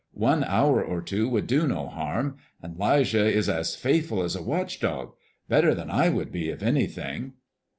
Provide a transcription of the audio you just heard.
One hour or two would do no harm, and 'Lijah is as faithful as a watch dog better than I would be, if anything."